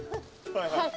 はい！